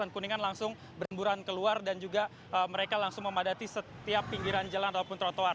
jadi kawasan kuningan langsung berhamburan keluar dan juga mereka langsung memadati setiap pinggiran jalan ataupun trotoar